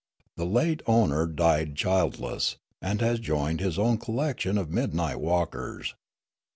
The late owner died child less, and has joined his own collection of midnight walkers.